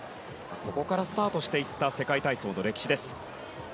ここからスタートしていった世界体操の歴史です。